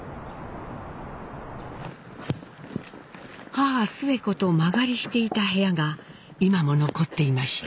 母スエ子と間借りしていた部屋が今も残っていました。